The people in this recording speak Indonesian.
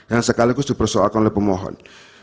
yang sekaligus dipersoalkan oleh pemohon